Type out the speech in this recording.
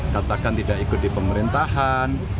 katakan tidak ikut di pemerintahan